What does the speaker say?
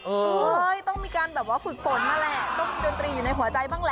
ต้องมีการแบบว่าฝึกฝนมาแหละต้องมีดนตรีอยู่ในหัวใจบ้างเหรอ